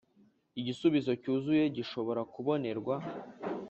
Igisubizo cyuzuye gishobora kubonerwa